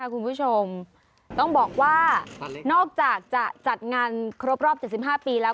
คุณผู้ชมต้องบอกว่านอกจากจะจัดงานครบรอบ๗๕ปีแล้ว